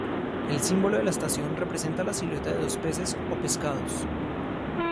El símbolo de la estación representa la silueta de dos peces o pescados.